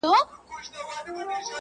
څوك به نيسي ګرېوانونه د غازيانو٫